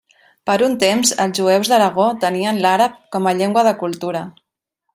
Per un temps els jueus d'Aragó tenien l'àrab com llengua de cultura.